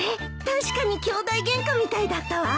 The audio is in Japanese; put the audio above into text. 確かにきょうだいゲンカみたいだったわ。